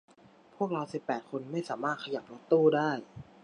พวกเราสิบแปดคนไม่สามารถขยับรถตู้ได้